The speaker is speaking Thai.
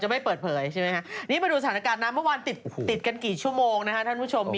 หรือพรุ่งนี้มีต่ออีกคนหนึ่ง